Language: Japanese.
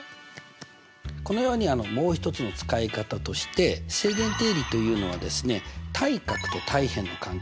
このようにもう一つの使い方として正弦定理というのはですね対角と対辺の関係ですね。